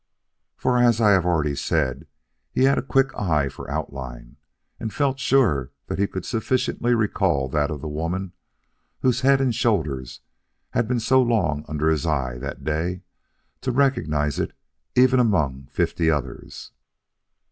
For as I have already said, he had a quick eye for outline, and felt sure that he could sufficiently recall that of the woman whose head and shoulders had been so long under his eye that day, to recognize it even among fifty others.